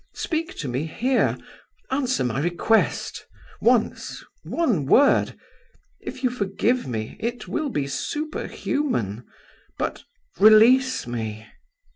Speak to me here; answer my request. Once; one word. If you forgive me, it will be superhuman. But, release me."